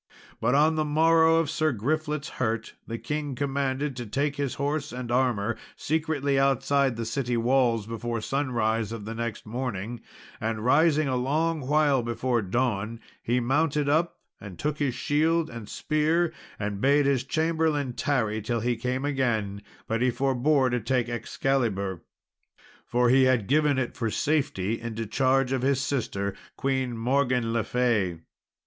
But on the morrow of Sir Griflet's hurt, the king commanded to take his horse and armour secretly outside the city walls before sunrise of the next morning, and, rising a long while before dawn, he mounted up and took his shield and spear, and bade his chamberlain tarry till he came again; but he forbore to take Excalibur, for he had given it for safety into charge of his sister, Queen Morgan le Fay.